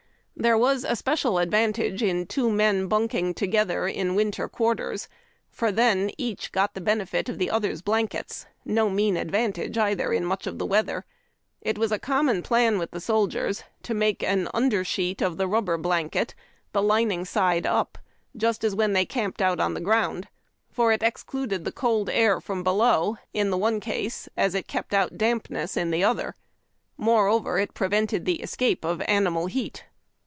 There was a special advantage in two men bunking together in winter quarters, for then each got the benefit of the other's blankets — no mean advantage, either, in mucli of the weather. It was a common plan with the soldiers to make an under sheet of the rubber blanket, the lining side up, just as when they camped out on the ground, for it excluded the cold air from below in tlie one case as it kept LIFE IN LOG HUTS. 79 out dampness in the other. Moreover, it prevented the escape of animal heat.